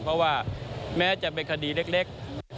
เพราะว่าแม้จะเป็นคดีเล็ก